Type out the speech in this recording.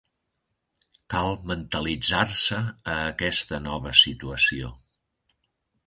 Cal mentalitzar-se a aquesta nova situació.